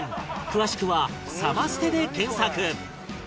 詳しくは「サマステ」で検索